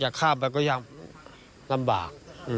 อยากข้ามไปยังลำบาก